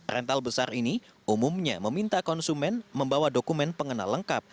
rental besar ini umumnya meminta konsumen membawa dokumen pengenal lengkap